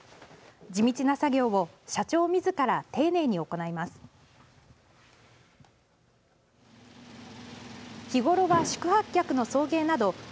地道な作業を社長みずから丁寧に行います。